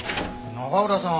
永浦さん。